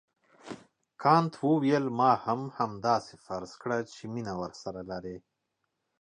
کانت وویل ما هم همداسې فرض کړه چې مینه ورسره لرې.